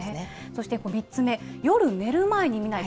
そして３つ目、夜寝る前に見ない。